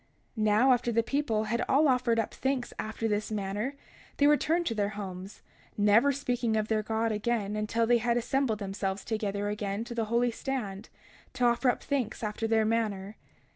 31:23 Now, after the people had all offered up thanks after this manner, they returned to their homes, never speaking of their God again until they had assembled themselves together again to the holy stand, to offer up thanks after their manner.